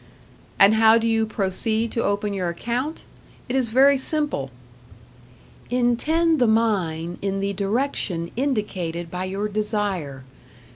And how do you proceed to open your account? It is very simple: Intend the mind in the direction indicated by your desire.